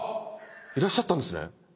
いらっしゃったんですね。